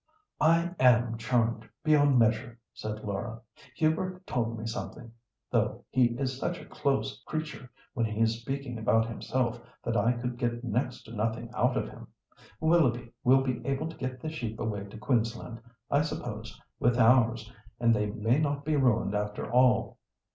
"I am charmed beyond measure," said Laura. "Hubert told me something—though he is such a close creature when he is speaking about himself that I could get next to nothing out of him. Willoughby will be able to get the sheep away to Queensland, I suppose, with ours, and they may not be ruined after all."